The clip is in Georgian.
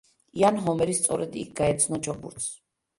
იან ჰომერი სწორედ იქ გაეცნო ჩოგბურთს.